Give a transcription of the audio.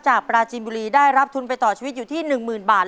ปราจีนบุรีได้รับทุนไปต่อชีวิตอยู่ที่๑๐๐๐บาท